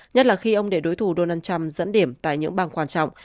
nhất là khi ông để đối thủ donald trump dẫn điểm tại những bang quan trọng